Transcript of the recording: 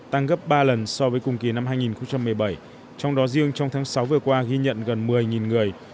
tăng gấp ba lần so với cùng kỳ năm hai nghìn một mươi bảy trong đó riêng trong tháng sáu vừa qua ghi nhận gần một mươi người